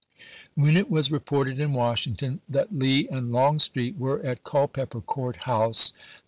^ When it was reported in Washington that Lee and Longstreet were at Culpeper Court House, the 1862.